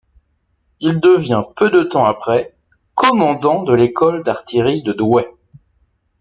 Il devient peu de temps après commandant de l'École d'artillerie de Douai.